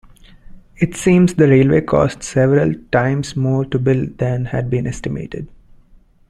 It seems the railway cost several times more to build than had been estimated.